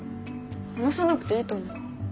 話さなくていいと思う。